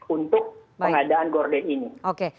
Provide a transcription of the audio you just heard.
untuk pengadaan gordek ini